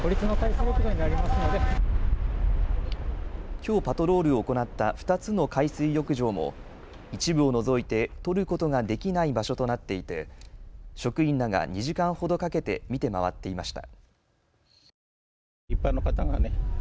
きょうパトロールを行った２つの海水浴場も一部を除いてとることができない場所となっていて職員らが２時間ほどかけて見て回っていました。